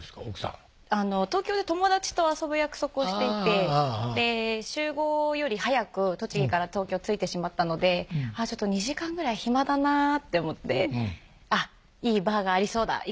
奥さん東京で友達と遊ぶ約束をしていて集合より早く栃木から東京着いてしまったのでちょっと２時間ぐらい暇だなぁって思ってあっいいＢＡＲがありそうだ